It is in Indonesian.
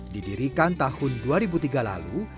didirikan tahun dua ribu tiga lalu